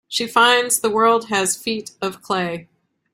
She finds the world has feet of clay.